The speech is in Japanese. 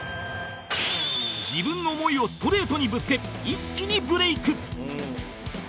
自分の思いをストレートにぶつけ一気にブレイク